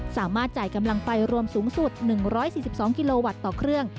สามารถจ่ายกำลังไฟรวมสูงสุด๑๔๒กิโลวัตต์ต่อเครื่อง